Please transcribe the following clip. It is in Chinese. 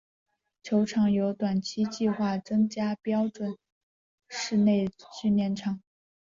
球场有短期计划增加标准室内训练场。